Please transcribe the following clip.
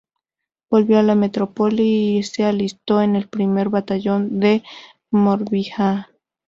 Volvió a la metrópoli y se alistó en el primer batallón de Morbihan.